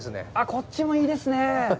こっちもいいですね。